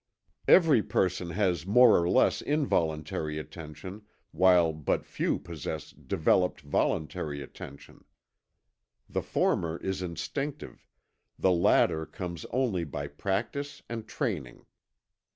Every person has more or less involuntary attention, while but few possess developed voluntary attention. The former is instinctive the latter comes only by practice and training.